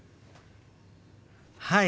はい！